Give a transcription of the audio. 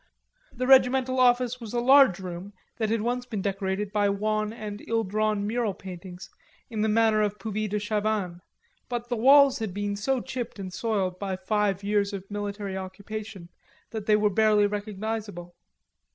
The regimental office was a large room that had once been decorated by wan and ill drawn mural paintings in the manner of Puvis de Chavannes, but the walls had been so chipped and soiled by five years of military occupation that they were barely recognisable.